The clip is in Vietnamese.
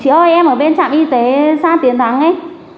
chị ơi em ở bên trạm y tế xa tiến thắng ấy